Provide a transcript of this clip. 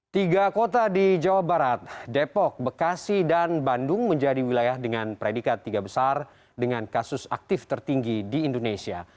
tiga kota di jawa barat depok bekasi dan bandung menjadi wilayah dengan predikat tiga besar dengan kasus aktif tertinggi di indonesia